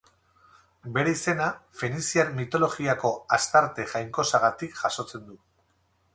Bere izena feniziar mitologiako Astarte jainkosagatik jasotzen du.